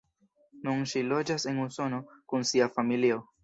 Nun ŝi loĝas en Usono kun sia familio.